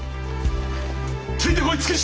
ついてこい月下！